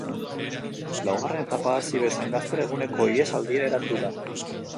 Laugarren etapa hasi bezain laster eguneko ihesaldia eratu da.